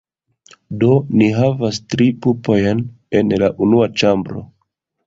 Do ni havas tri pupojn en la unua ĉambro.